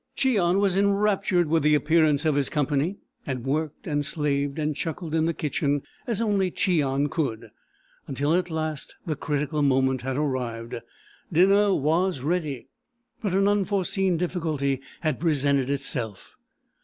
Cheon was enraptured with the appearance of his company, and worked, and slaved, and chuckled in the kitchen as only Cheon could, until at last the critical moment had arrived. Dinner was ready, but an unforeseen difficulty had presented itself.